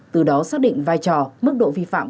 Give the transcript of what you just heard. từ đó xác định vai trò mức độ vi phạm